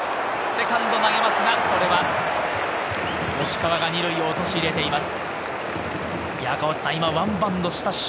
セカンド、投げますがここは吉川が２塁を陥れています。